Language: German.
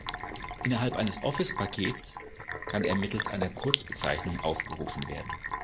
Innerhalb eines Office-Pakets kann er mittels einer Kurzbezeichnung aufgerufen werden.